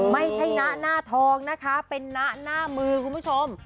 ไม่ใช่นะหน้าทองนะคะเป็นนะหน้ามือคุณผู้ชม